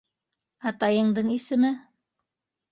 — Атайыңдың исеме?